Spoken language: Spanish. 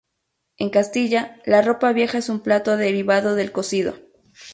En Castilla, la ropa vieja es un plato derivado del cocido.